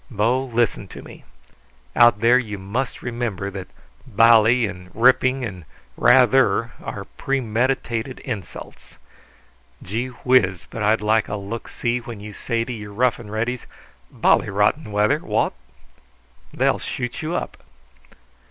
"Bo, listen to me. Out there you must remember that 'bally' and 'ripping' and 'rather' are premeditated insults. Gee whiz! but I'd like a look see when you say to your rough and readies: 'Bally rotten weather. What?' They'll shoot you up."